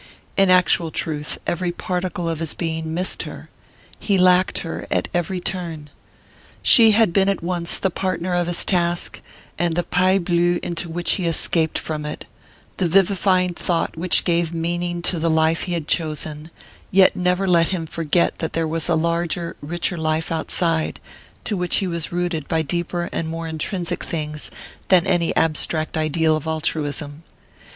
In actual truth, every particle of his being missed her, he lacked her at every turn. She had been at once the partner of his task, and the pays bleu into which he escaped from it; the vivifying thought which gave meaning to the life he had chosen, yet never let him forget that there was a larger richer life outside, to which he was rooted by deeper and more intrinsic things than any abstract ideal of altruism.